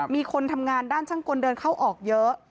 มีคนทำงานด้านช่างกลเดินเข้าออกเยอะ